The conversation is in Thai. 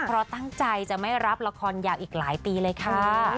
เพราะตั้งใจจะไม่รับละครยาวอีกหลายปีเลยค่ะ